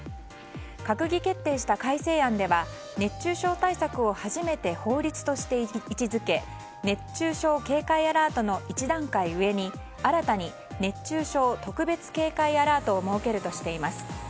閣議決定した改正案では熱中症対策を初めて法律として位置づけ熱中症警戒アラートの１段階上に新たに熱中症特別警戒アラートを設けるとしています。